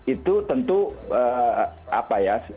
itu tentu apa ya